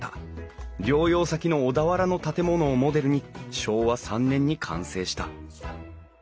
療養先の小田原の建物をモデルに昭和３年に完成した。